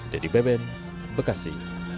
dedy beben bekasi